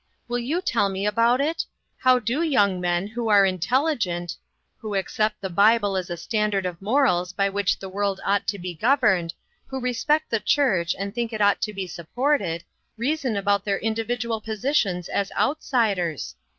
Will you tell me about it? How do young men, who are intelligent, who ac cept the Bible as a standard of morals by which the world ought to be governed, who respect the church and think it ought to be supported, reason about their individual posi^ tions as outsiders?